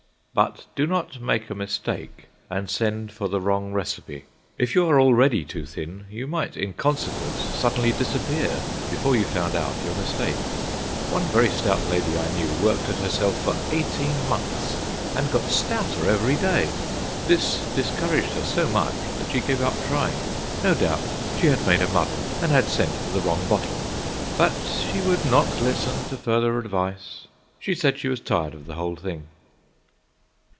But do not make a mistake and send for the wrong recipe. If you are already too thin, you might in consequence suddenly disappear before you found out your mistake. One very stout lady I knew worked at herself for eighteen months and got stouter every day. This discouraged her so much that she gave up trying. No doubt she had made a muddle and had sent for the wrong bottle, but she would not listen to further advice. She said she was tired of the whole thing.